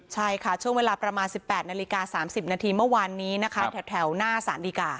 ใช่ค่ะช่วงเวลาประมาณ๑๘นาฬิกา๓๐นาทีเมื่อวานนี้นะคะแถวหน้าสารดีกา